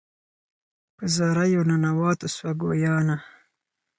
په زاریو ننواتو سوه ګویانه